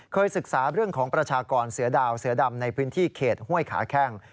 ศึกษาเรื่องของประชากรเสือดาวเสือดำในพื้นที่เขตห้วยขาแข้ง